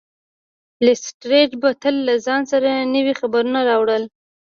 لیسټرډ به تل له ځان سره نوي خبرونه راوړل.